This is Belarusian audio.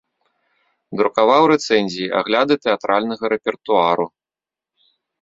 Друкаваў рэцэнзіі, агляды тэатральнага рэпертуару.